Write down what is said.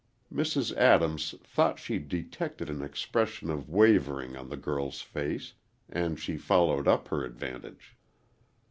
Mrs. Adams thought she detected an expression of wavering on the girl's face, and she followed up her advantage.